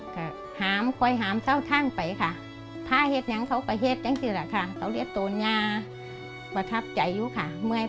ก็หามค่อยหามเซ่าทางไปค่ะ